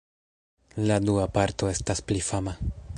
La dua parto estas pli fama.